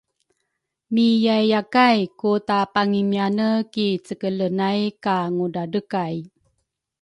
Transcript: Miyaiyakay ku tapangimiane ki cekele nay ka Ngudradrekay